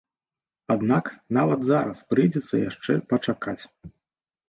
Аднак, нават зараз прыйдзецца яшчэ пачакаць.